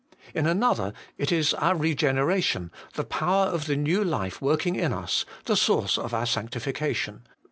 In another it is our regeneration, the power of the new life working in us, the source of our sanctification.